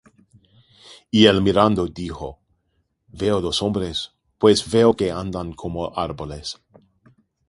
Y él mirando, dijo: Veo los hombres, pues veo que andan como árboles.